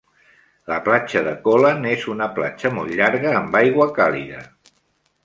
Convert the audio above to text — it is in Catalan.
La platja de Colan és una platja molt llarga amb aigua càlida.